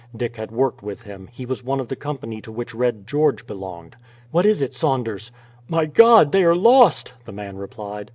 Dick had worked with him; he was one of the company to which Red George belonged. "What is it, Saunders?" "My God! they are lost!" the man replied.